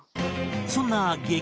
そんな激